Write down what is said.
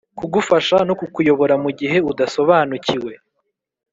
kugufasha no kukuyobora mugihe udasobanukiwe.